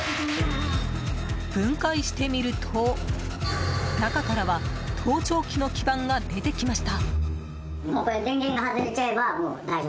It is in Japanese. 分解してみると、中からは盗聴器の基板が出てきました。